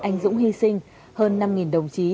anh dũng hy sinh hơn năm đồng chí